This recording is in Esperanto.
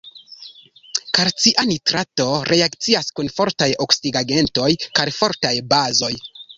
Kalcia nitrato reakcias kun fortaj oksidigagentoj kaj fortaj bazoj.